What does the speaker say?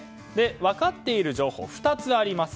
分かっている情報、２つあります。